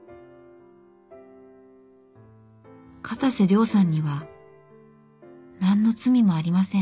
片瀬涼さんには何の罪もありません。